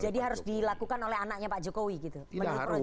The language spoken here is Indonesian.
jadi harus dilakukan oleh anaknya pak jokowi gitu menurut projo